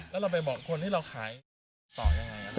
แล้วเราไปบอกคนที่เราขายต่อยังไง